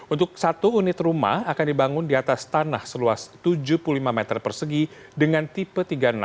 untuk satu unit rumah akan dibangun di atas tanah seluas tujuh puluh lima meter persegi dengan tipe tiga puluh enam